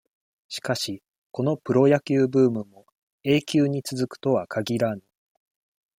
しかし、このプロ野球ブームも、永久に続くとは限らぬ。